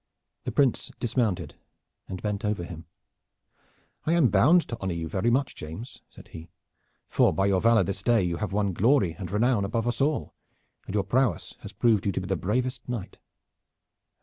The Prince dismounted and bent over him. "I am bound to honor you very much, James," said he, "for by your valor this day you have won glory and renown above us all, and your prowess has proved you to be the bravest knight."